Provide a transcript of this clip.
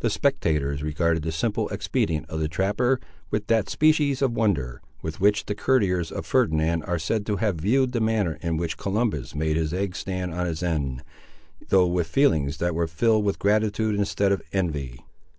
The spectators regarded the simple expedient of the trapper with that species of wonder, with which the courtiers of Ferdinand are said to have viewed the manner in which Columbus made his egg stand on its end, though with feelings that were filled with gratitude instead of envy.